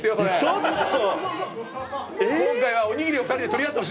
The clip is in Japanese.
ちょっと！